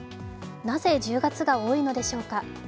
なぜ１０月が多いのでしょうか。